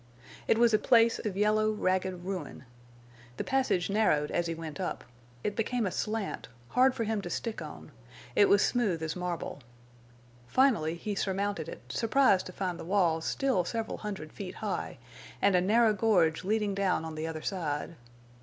It was a place of yellow, ragged ruin. The passage narrowed as he went up; it became a slant, hard for him to stick on; it was smooth as marble. Finally he surmounted it, surprised to find the walls still several hundred feet high, and a narrow gorge leading down on the other side.